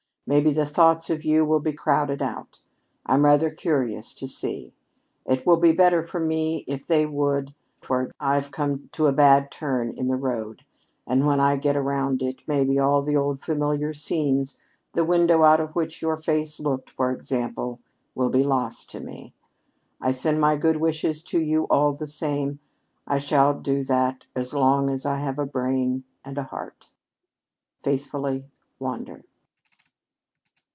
Maybe the thoughts of you will be crowded out. I'm rather curious to see. It would be better for me if they would, for I've come to a bad turn in the road, and when I get around it, maybe all of the old familiar scenes the window out of which your face looked, for example will be lost to me. I send my good wishes to you all the same. I shall do that as long as I have a brain and a heart. "Faithfully, "WANDER."